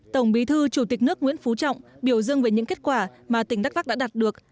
tổng bí thư chủ tịch nước nguyễn phú trọng biểu dương về những kết quả mà tỉnh đắk lắc đã đạt được